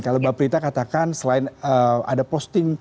kalau mbak brita katakan selain ada posting